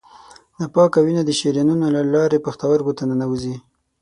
ناپاکه وینه د شریانونو له لارې پښتورګو ته ننوزي.